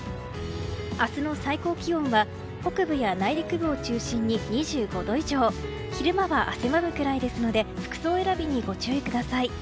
明日の最高気温は北部や内陸部を中心に２５度以上昼間は汗ばむくらいですので服装選びにご注意ください。